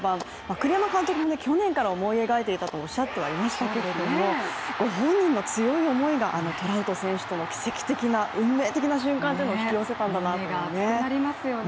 栗山監督も去年から思い描いていたともおっしゃっていましたけれどもご本人の強い思いがあのトラウト選手との奇跡的な、運命的な対決を生んだんですね。